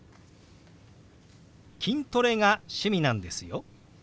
「筋トレが趣味なんですよ」。